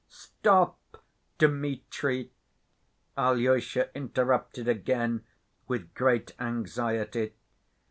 "Stop, Dmitri," Alyosha interrupted again with great anxiety.